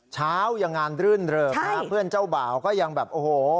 เช้ายังงานรื่นเริกฮะเพื่อนเจ้าบ่าวก็ยังแบบโอ้โห